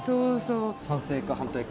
賛成か、反対か。